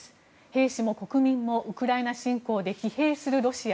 兵士も国民もウクライナ侵攻で疲弊するロシア。